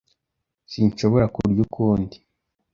Sinshobora kurya ukundi.